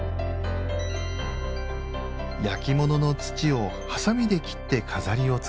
焼き物の土をハサミで切って飾りをつける。